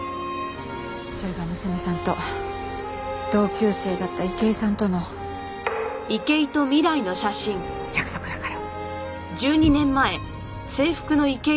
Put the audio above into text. それが娘さんと同級生だった池井さんとの約束だから。